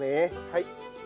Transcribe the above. はい。